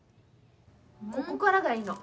ここからがいいの。